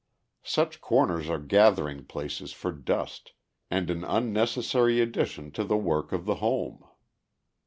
Such corners are gathering places for dust, and an unnecessary addition to the work of the home.